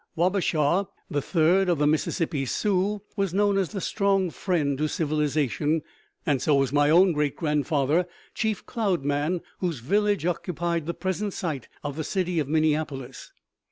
Wabashaw the third, of the Mississippi Sioux, was known as a strong friend to civilization; and so was my own great grandfather, Chief Cloud Man, whose village occupied the present site of the city of Minneapolis.